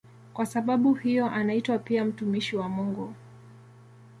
Kwa sababu hiyo anaitwa pia "mtumishi wa Mungu".